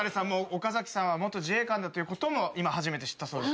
岡崎さんは元自衛官だということも今初めて知ったそうです。